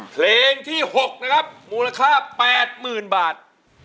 เพลงที่๖นะครับมูลค่า๘๐๐๐บาท